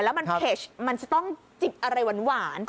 แล้วมันเผ็ดมันจะต้องจิบอะไรหวาน